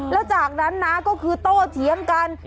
แล้วจากนั้นนะก็คือโตเถียงกัน